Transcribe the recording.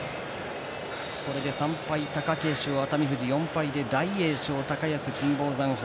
これで３敗貴景勝、熱海富士４敗で高安、大栄翔、金峰山北